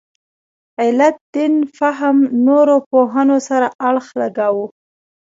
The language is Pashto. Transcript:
علت دین فهم نورو پوهنو سره اړخ لګاوه.